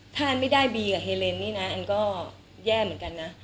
ถ้าอันไม่ได้บีกับเฮเลนนี่นะอันก็แย่เหมือนกันนะ